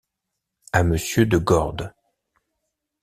À monsieur de Gordes.